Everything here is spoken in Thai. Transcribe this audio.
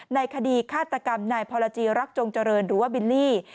ในคดีฆาตกรรมนายพรจีรักจงเจริญหรือว่าบิลลี่